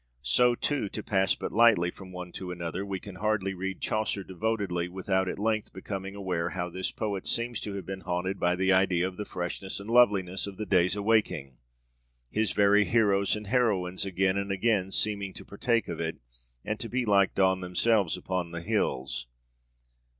So too, to pass but lightly from one to another, we can hardly read Chaucer devotedly without at length becoming aware how this poet seems to have been haunted by the idea of the freshness and loveliness of the day's awaking; his very heroes and heroines again and again seeming to partake of it, and to be like dawn themselves upon the hills.